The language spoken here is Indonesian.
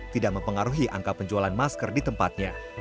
tidak mempengaruhi angka penjualan masker di tempatnya